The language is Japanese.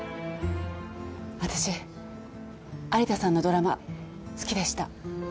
あたし有田さんのドラマ好きでした。